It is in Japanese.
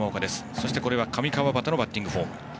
そして上川畑のバッティングフォーム。